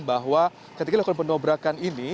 bahwa ketika dilakukan pendobrakan ini